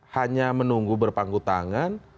hanya menunggu berpangku tangan